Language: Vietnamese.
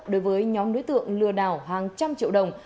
đối với nhóm đối tượng lừa đảo hàng trăm triệu đồng